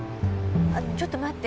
ちょっと待って。